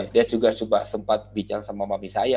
dia juga sempat bincang sama mami saya